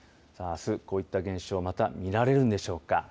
さあ、あす、こういった現象、また見られるんでしょうか。